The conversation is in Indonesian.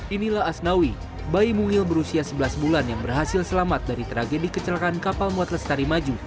inilah asnawi bayi mungil berusia sebelas bulan yang berhasil selamat dari tragedi kecelakaan kapal muat lestari maju